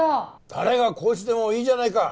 誰がコーチでもいいじゃないか。